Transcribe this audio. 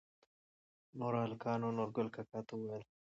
نوور هلکانو نورګل کاکا ته وويل